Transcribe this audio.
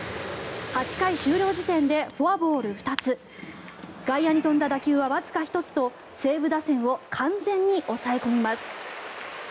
８回終了時点でフォアボール２つ外野に飛んだ打球はわずか１つと西武打線を完全に抑え込みます。